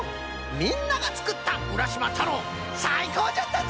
みんながつくった「うらしまたろう」さいこうじゃったぞ！